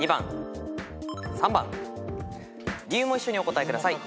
理由も一緒にお答えください。